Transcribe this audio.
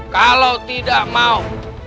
kalau tidak mau